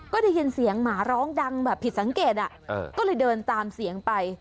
ก็ได้ยินเสียงหมาร้องดังแบบผิดสังเกตก็เลยเดินตามเสียงไป